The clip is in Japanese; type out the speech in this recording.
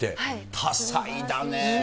多才だね。